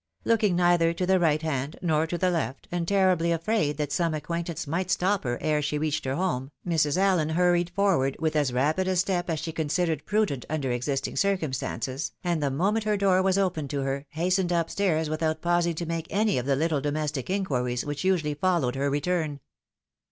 Looking neither to the right hand nor to the left, and terribly afraid that some acquaintance might stop her ere she reached her home, Mrs. Allen hurried forward, with as rapid a step as she considered prudent under existing circumstances, and the moment her door was opened to her, hastened up stairs without pausing to make any of the little domestic inquiries which usually followed her return.